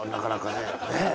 ねえ。